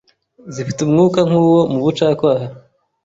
zifite umwuka nk'uwo mu bucakwaha